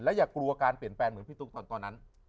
อย่ากลัวการเปลี่ยนแปลงเหมือนพี่ตุ๊กตอนนั้น